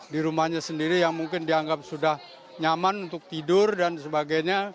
di rumahnya sendiri yang mungkin dianggap sudah nyaman untuk tidur dan sebagainya